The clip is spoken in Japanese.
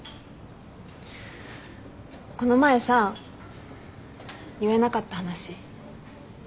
この前さ言えなかった話。